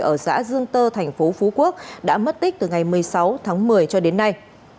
ở xã dương tơ thành phố phú quốc đã mất tích từ ngày một mươi sáu tháng một mươi cho đến nay